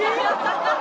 ハハハハ！